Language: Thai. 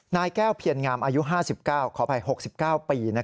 นายแก้วเพียรงามอายุ๕๙ขออภัย๖๙ปี